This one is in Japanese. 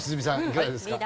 いかがですか？